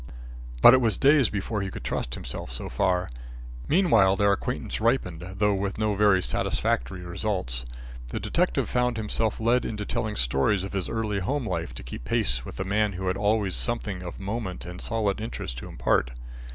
But it was days before he could trust himself so far. Meanwhile their acquaintance ripened, though with no very satisfactory results. The detective found himself led into telling stories of his early home life to keep pace with the man who always had something of moment and solid interest to impart.